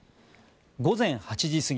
午前８時過ぎ